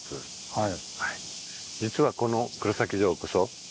はい。